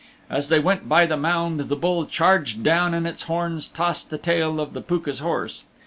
As they went by the mound the Bull charged down and its horns tossed the tail of the Pooka's horse.